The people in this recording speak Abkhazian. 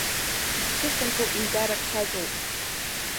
Исцәыхьанҭоу еидарак саҵоуп.